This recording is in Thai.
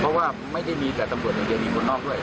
เพราะว่าไม่ได้มีแต่ตำรวจในเจนียมนอกด้วย